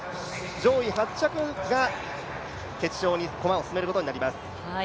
上８着が決勝に駒を進めることになります。